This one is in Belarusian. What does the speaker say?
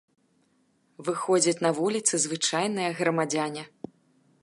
Выходзяць на вуліцы звычайныя грамадзяне.